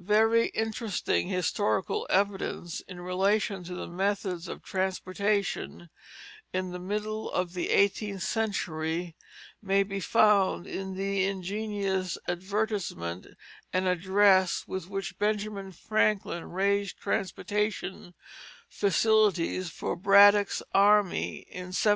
Very interesting historical evidence in relation to the methods of transportation in the middle of the eighteenth century may be found in the ingenious advertisement and address with which Benjamin Franklin raised transportation facilities for Braddock's army in 1755.